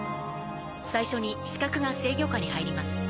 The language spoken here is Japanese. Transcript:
最初に視覚が制御下に入ります。